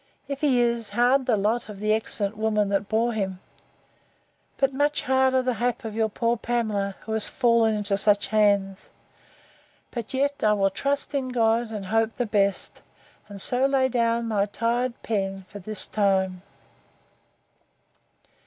—If he is, hard the lot of the excellent woman that bore him!—But much harder the hap of your poor Pamela, who has fallen into such hands!—But yet I will trust in God, and hope the best: and so lay down my tired pen for this time.